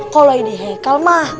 kalau ide heikal mah